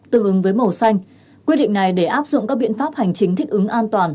tương ứng với màu xanh quyết định này để áp dụng các biện pháp hành chính thích ứng an toàn